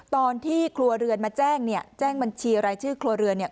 ตอนที่ครัวเรือนมาแจ้งเนี่ยแจ้งบัญชีรายชื่อครัวเรือนเนี่ย